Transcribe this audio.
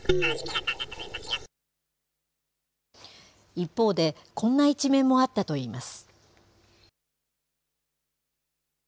一方で、こんな一面もあったといいます。